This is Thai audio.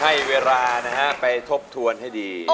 ให้เวลาไปตบทวนให้ดี